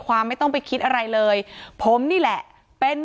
การแก้เคล็ดบางอย่างแค่นั้นเอง